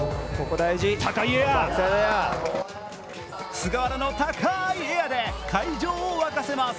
菅原の高いエアで会場を沸かせます。